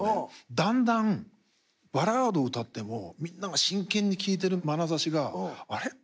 だんだんバラード歌ってもみんなが真剣に聴いてるまなざしがあれ？